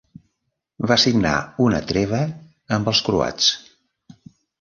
Va signar una treva amb els croats.